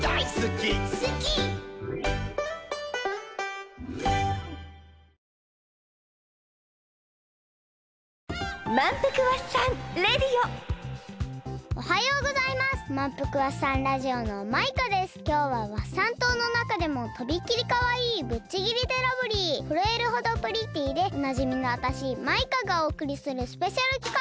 きょうはワッサン島のなかでもとびきりかわいいぶっちぎりでラブリーふるえるほどプリティーでおなじみのわたしマイカがおおくりするスペシャルきかく！